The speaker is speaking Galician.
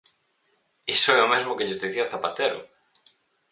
Iso é o mesmo que lles dicía Zapatero!